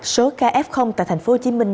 số ca f tại thành phố hồ chí minh